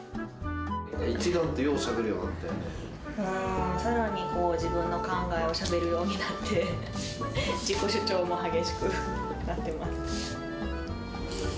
一段とようしゃべるようになさらに自分の考えをしゃべるようになって、自己主張も激しくなってます。